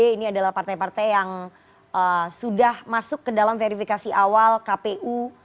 ini adalah partai partai yang sudah masuk ke dalam verifikasi awal kpu